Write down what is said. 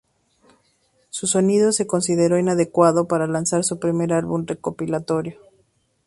Su sonido se consideró inadecuado para lanzar su primer álbum recopilatorio.